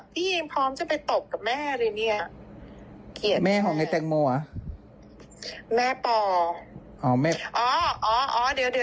พี่ยังพร้อมจะไปตบกับแม่เลยเนี่ย